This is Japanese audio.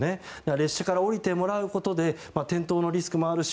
列車から降りてもらうことで転倒のリスクもあるし